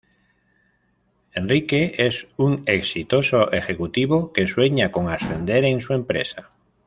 Enrique es un exitoso ejecutivo que sueña con ascender en su empresa.